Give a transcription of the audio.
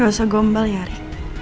gak usah gombal ya ari